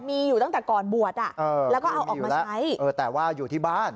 มีอยู่ตั้งแต่ก่อนบวชอ่ะแล้วก็เอาออกมาใช้เออแต่ว่าอยู่ที่บ้าน